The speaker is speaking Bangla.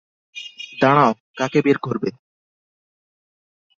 দাঁড়াও, কাকে বের করবে?